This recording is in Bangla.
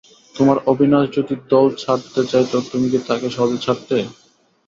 তোমার অবিনাশ যদি দল ছাড়তে চাইত তুমি কি তাকে সহজে ছাড়তে?